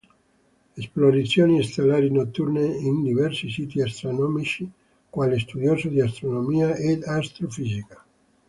Esplorazioni stellari notturne in diversi siti astronomici, quale studioso di astronomia ed astrofisica.